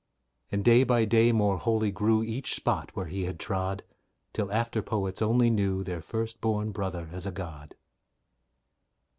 And day by day more holy grew Each spot where he had trod, Till after poets only knew Their first born brother as a god.